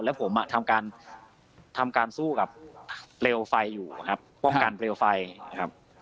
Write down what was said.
แล้วผมอ่ะทำการทำการสู้กับเปลวไฟอยู่ครับป้องกันเปลวไฟครับ